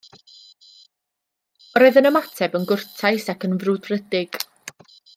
Roedd yn ymateb yn gwrtais ac yn frwdfrydig